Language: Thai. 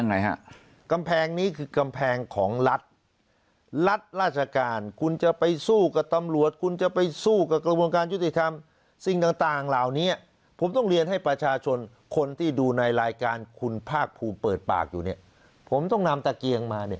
ไงฮะกำแพงนี้คือกำแพงของรัฐรัฐราชการคุณจะไปสู้กับตำรวจคุณจะไปสู้กับกระบวนการยุติธรรมสิ่งต่างต่างเหล่านี้ผมต้องเรียนให้ประชาชนคนที่ดูในรายการคุณภาคภูมิเปิดปากอยู่เนี่ยผมต้องนำตะเกียงมาเนี่ย